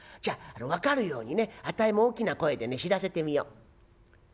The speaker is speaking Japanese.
じゃあ分かるようにねあたいも大きな声でね知らせてみよう。